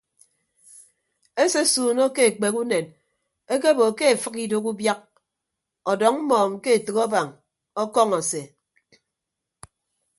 Esesuunọ ke ekpek unen ekeebo ke efịk idooho ubiak ọdọñ mmọọñ ke etәk abañ ọkọñọ ase.